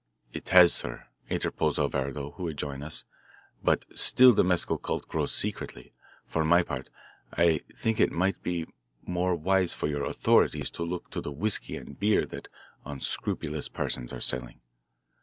"It has, sir," interposed Alvardo, who had joined us, "but still the mescal cult grows secretly. For my part, I think it might be more wise for your authorities to look to the whiskey and beer that unscrupulous persons are selling.